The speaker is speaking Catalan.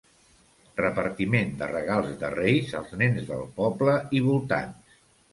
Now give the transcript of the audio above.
Repartiment de regals de Reis als nens del poble i voltants.